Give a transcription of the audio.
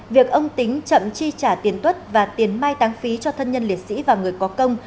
việc ông tính chậm chi trả tiền tuất và tiền mai tăng phí cho thân nhân liệt sĩ và người có công